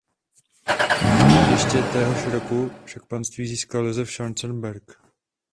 Ještě téhož roku však panství získal Josef Schwarzenberg.